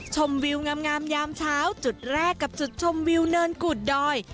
ชมวิวงามยามเช้าจุดแรกกับจุดชมวิวเนินกุดดอย